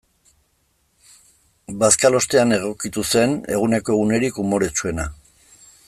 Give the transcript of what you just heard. Bazkalostean egokitu zen eguneko unerik umoretsuena.